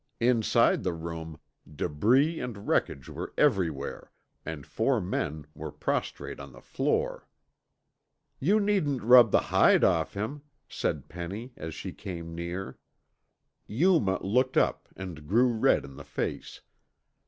Inside the room, debris and wreckage were everywhere, and four men were prostrate on the floor. "You needn't rub the hide off him," said Penny as she came near. Yuma looked up and grew red in the face.